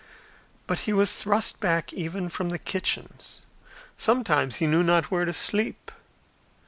But he was thrust back even from the kitchens. Sometimes he knew not where to sleep.